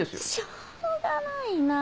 しょうがないなあ。